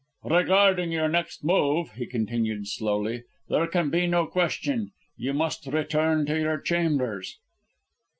"Regarding your next move," he continued slowly, "there can be no question. You must return to your chambers!"